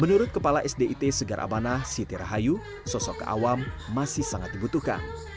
menurut kepala sdit segarabana siti rahayu sosok kak awam masih sangat dibutuhkan